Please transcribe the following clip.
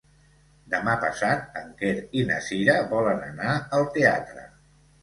Demà passat en Quer i na Cira volen anar al teatre.